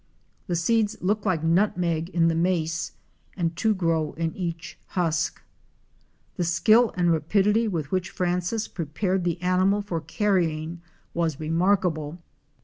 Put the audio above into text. The seeds look like nutmeg in the mace, and two grow in each husk. The skill and rapidity with which Francis prepared the animal for carrying was remarkable.